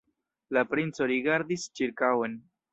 La princo rigardis ĉirkaŭen.